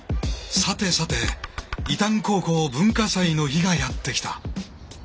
さてさて伊旦高校文化祭の日がやって来た。